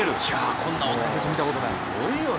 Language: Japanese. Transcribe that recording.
こんな大谷選手見たことない。